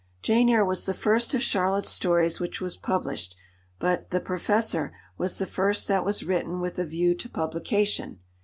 Jane Eyre was the first of Charlotte's stories which was published, but The Professor was the first that was written with a view to publication.